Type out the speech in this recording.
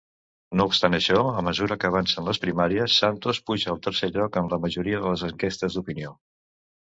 No obstant això, a mesura que avancen les primàries, Santos puja al tercer lloc en la majoria de les enquestes d'opinió.